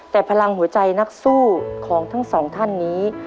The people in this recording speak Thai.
แต่พลังหัวใจนักสู้ของทั้งสองท่านนี้